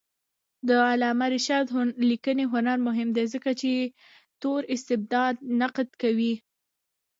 د علامه رشاد لیکنی هنر مهم دی ځکه چې تور استبداد نقد کوي.